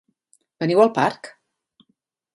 Veniu al parc?